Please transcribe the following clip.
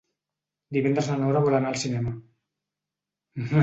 Divendres na Nora vol anar al cinema.